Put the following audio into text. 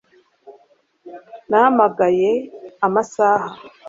Nahamagaye amasaha